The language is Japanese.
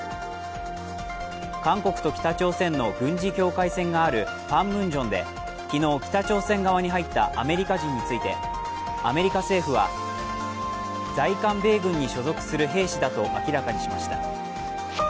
韓国と北朝鮮の軍事境界線があるパンムンジョムで昨日、北朝鮮側に入ったアメリカ人についてアメリカ政府は在韓米軍に所属する兵士だと明らかにしました。